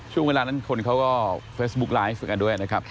ช่วงเวลานั้นคนเขาก็เฟซบุ๊กไลฟ์กันด้วยนะครับ